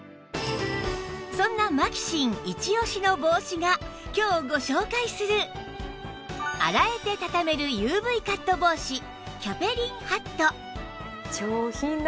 そんなマキシンイチオシの帽子が今日ご紹介する洗えてたためる ＵＶ カット帽子ああ。